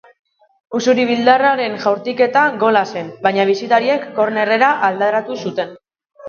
Usurbildarraren jaurtiketa gola zen, baina bisitariek kornerrera aldaratu zuten.